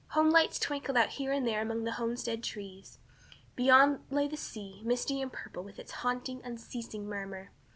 Home lights twinkled out here and there among the homestead trees. Beyond lay the sea, misty and purple, with its haunting, unceasing murmur.